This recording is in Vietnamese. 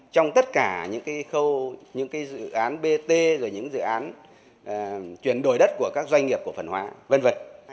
trong tất cả những dự án bt dự án chuyển đổi đất của các doanh nghiệp của phần hóa v v